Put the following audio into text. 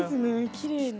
きれいに。